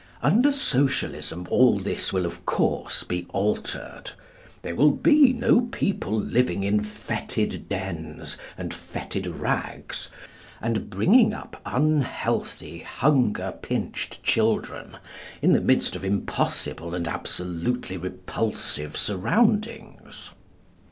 Under Socialism all this will, of course, be altered. There will be no people living in fetid dens and fetid rags, and bringing up unhealthy, hunger pinched children in the midst of impossible and absolutely repulsive surroundings.